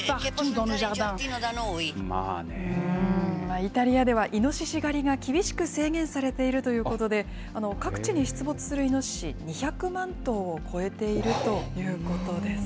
イタリアではイノシシ狩りが厳しく制限されているということで、各地に出没するイノシシ、２００万頭を超えているということです。